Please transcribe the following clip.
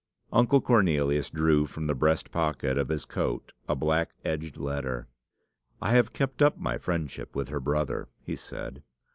Uncle Cornelius drew from the breast pocket of his coat a black edged letter. "I have kept up my friendship with her brother," he said.